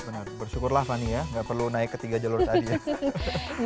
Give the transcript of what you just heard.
benar bersyukurlah fani ya nggak perlu naik ketiga jalur tadi